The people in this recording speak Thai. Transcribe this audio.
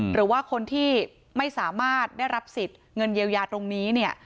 หรือว่าคนที่ไม่สามารถได้รับสิทธิ์เงินเยียวยาตรงนี้เนี่ย